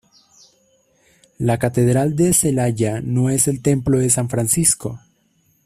La Catedral de Celaya no es el Templo de San Francisco.